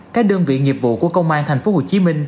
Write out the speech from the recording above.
các đơn vị nghiệp vụ của công an tp hcm